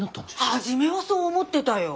初めはそう思ってたよ。